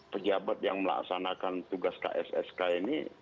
pejabat yang melaksanakan tugas kssk ini